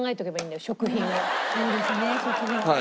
そうですね食品。